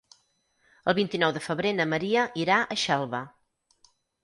El vint-i-nou de febrer na Maria irà a Xelva.